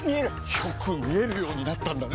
よく見えるようになったんだね！